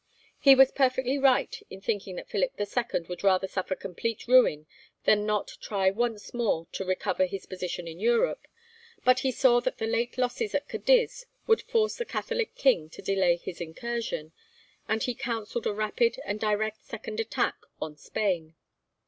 He was perfectly right in thinking that Philip II. would rather suffer complete ruin than not try once more to recover his position in Europe, but he saw that the late losses at Cadiz would force the Catholic king to delay his incursion, and he counselled a rapid and direct second attack on Spain.